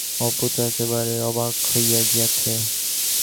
অপু তো একেবারে অবাক হইয়া গিয়াছে।